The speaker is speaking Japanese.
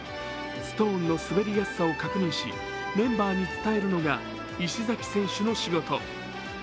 ストーンの滑りやすさを確認し、メンバーに伝えるのが石崎選手の仕事。